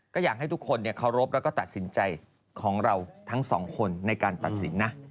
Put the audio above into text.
ก็อยากให้ทุกคนเคารพแล้วก็ตัดสินใจของเราทั้งสองคนในการตัดสินนะ